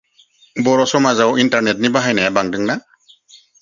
बर' समाजाव इन्टारनेटनि बाहायनाया बांदोंना?